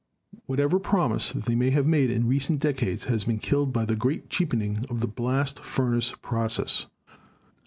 Whatever promise they may have had in recent decades has been killed by the great cheapening of the blast furnace process.